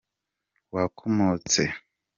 Wakomotse.